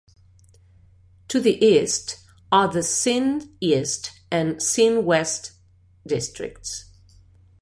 To the east are the Sene East and Sene West districts.